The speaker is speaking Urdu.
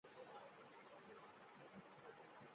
بداعمال لوگوں کو مرنے کے بعد سزا بھگتنی ہوگی